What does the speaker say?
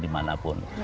di mana pun